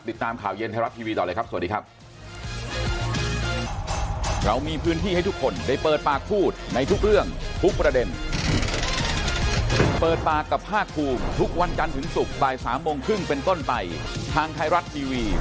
ติดตามข่าวเย็นไทยรัฐทีวีต่อเลยครับสวัสดีครับ